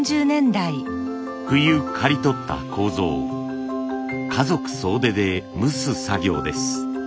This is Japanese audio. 冬刈り取った楮を家族総出で蒸す作業です。